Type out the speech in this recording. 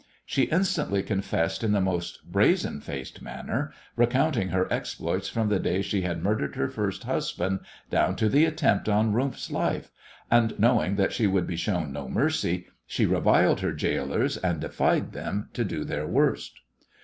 She instantly confessed in the most brazen faced manner, recounting her exploits from the day she had murdered her first husband down to the attempt on Rumf's life, and, knowing that she would be shown no mercy, she reviled her gaolers, and defied them to do their worst.